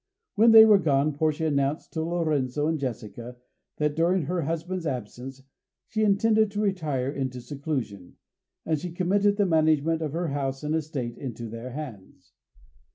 When they were gone, Portia announced to Lorenzo and Jessica that during her husband's absence she intended to retire into seclusion, and she committed the management of her house and estate into their hands.